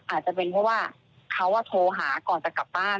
อาจจะเป็นเพราะว่าเขาโทรหาก่อนจะกลับบ้าน